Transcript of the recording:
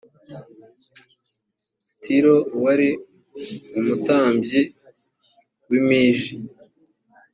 tiro wari umutambyi w i mij